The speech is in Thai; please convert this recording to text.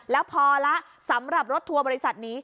แล้วพอแล้วสำหรับรถทัวร์บริษัทนี้